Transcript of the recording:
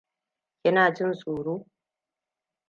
Ki na jin tsoro?